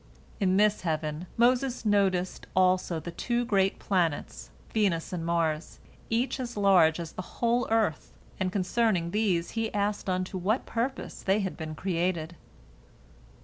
In this heaven Moses noticed also the two great planets, Venus and Mars, each as large as the whole earth, and concerning these he asked unto what purpose they had been created.